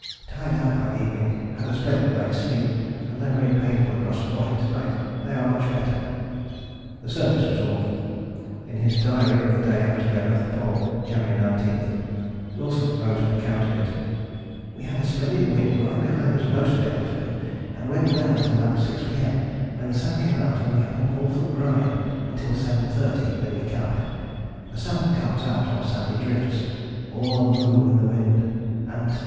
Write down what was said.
Tired out by the evening, had a splendid night's sleep, and though very painful across forehead to night they are much better." The surface was awful: in his diary of the day after they left the Pole (January 19) Wilson wrote an account of it. "We had a splendid wind right behind us most of the afternoon and went well until about 6 P.M. when the sun came out and we had an awful grind until 7.30 when we camped. The sun comes out on sandy drifts, all on the move in the wind, and temp.